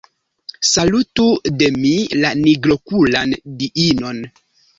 Salutu de mi la nigrokulan diinon.